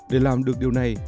để làm được điều này